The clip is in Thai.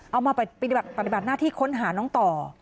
เอามาปฏิบัติหน้าที่ค้นหาน้องต่อ